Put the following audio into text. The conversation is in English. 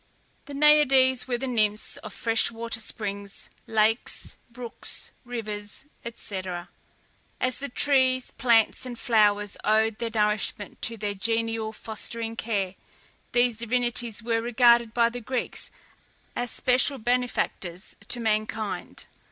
The NAIADES were the nymphs of fresh water springs, lakes, brooks, rivers, &c. As the trees, plants, and flowers owed their nourishment to their genial, fostering care, these divinities were regarded by the Greeks as special benefactors to mankind.